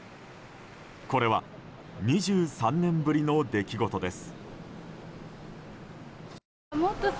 これは２３年ぶりの出来事です。